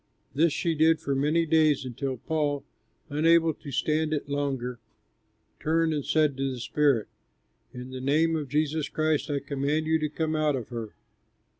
This she did for many days until Paul, unable to stand it longer, turned and said to the spirit, "In the name of Jesus Christ I command you to come out of her."